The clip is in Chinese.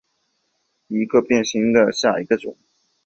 变形表孔珊瑚为轴孔珊瑚科表孔珊瑚属下的一个种。